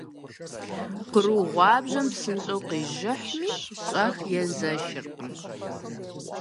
Къру гъуабжэм псынщӀэу къижыхьми, щӀэх езэшыркъым.